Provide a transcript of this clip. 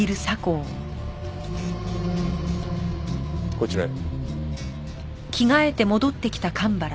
こちらへ。